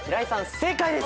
正解です。